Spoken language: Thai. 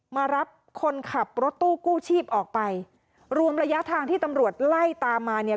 มารับคนขับรถตู้กู้ชีพออกไปรวมระยะทางที่ตำรวจไล่ตามมาเนี่ย